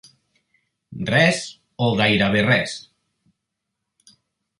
Res, o gairebé res.